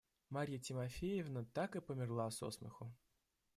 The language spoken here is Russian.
Марья Тимофеевна так и померла со смеху.